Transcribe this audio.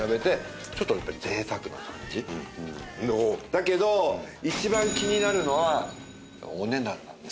だけど一番気になるのはお値段なんです。